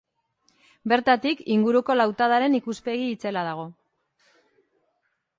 Bertatik inguruko lautadaren ikuspegi itzela dago.